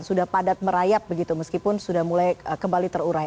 sudah padat merayap begitu meskipun sudah mulai kembali terurai